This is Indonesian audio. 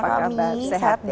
apa kabar sehat ya